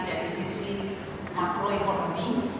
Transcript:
dari sisi makroekonomi